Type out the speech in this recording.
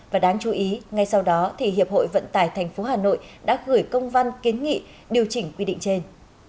và đáng chú ý ngay sau đó thì hiệp hội vận tải thành phố hà nội đã gửi công văn kiến nghị điều chỉnh quy định trên